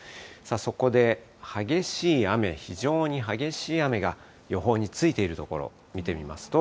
そこで激しい雨、非常に激しい雨が予報についている所、見てみますと。